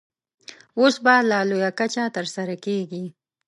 اوس په لا لویه کچه ترسره کېږي.